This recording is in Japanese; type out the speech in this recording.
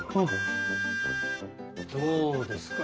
どうですか？